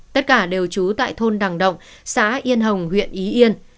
tất cả đều trú tại thôn đằng động xã yên hồng huyện ý yên